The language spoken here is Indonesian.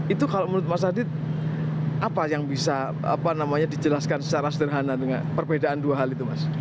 itu kalau menurut mas adit apa yang bisa dijelaskan secara sederhana dengan perbedaan dua hal itu mas